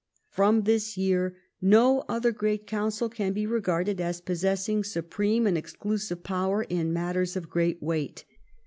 From this year no other great council can be regarded as possessing supreme and exclusive power in matters of great weight.